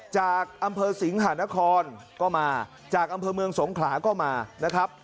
จากอำเภอสิงหานครก็มาจากอำเภอเมืองสงขลาก็มานะครับ